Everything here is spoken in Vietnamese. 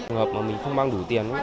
thường hợp mà mình không mang đủ tiền